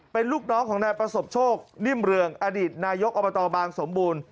เป็นลูกน้องของนายประสบโชคนิ่มเรืองอดีตนายกอบตบางสมบูรณ์